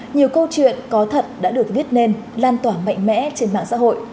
nhiều câu chuyện có thật đã được viết nên lan tỏa mạnh mẽ trên mạng xã hội